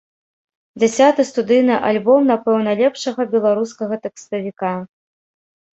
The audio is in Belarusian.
Дзясяты студыйны альбом, напэўна, лепшага беларускага тэкставіка.